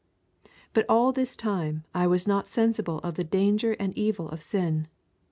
But all this time I was not sensible of the danger and evil of sin.